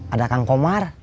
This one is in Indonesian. ada kang komar